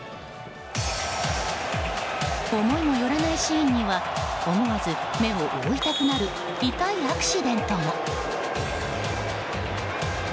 思いもよらないシーンには思わず目を覆いたくなる痛いアクシデントも。